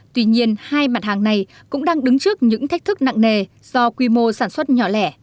tuy nhiên hai mặt hàng này cũng đang đứng trước những thách thức nặng nề do quy mô sản xuất nhỏ lẻ